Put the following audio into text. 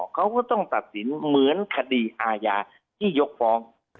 เขาก็ต้องตัดสินเหมือนคดีอาญาที่ยกฟ้อง